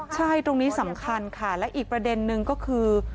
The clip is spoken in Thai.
ใช่ตรงนี้สำคัญค่ะและอีกประเด็นนึงก็คือ